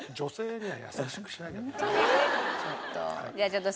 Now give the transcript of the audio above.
ちょっと。